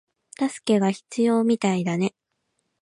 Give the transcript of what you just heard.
助けが必要みたいだね